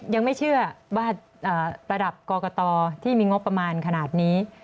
ยังไม่เชื่อว่าระดับกรกตที่มีงบประมาณขนาดนี้